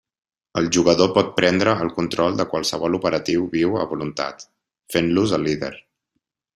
El jugador pot prendre el control de qualsevol operatiu viu a voluntat, fent-los el líder.